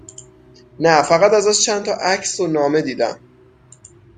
نه، فقط ازش چند تا عکس و نامه دیدم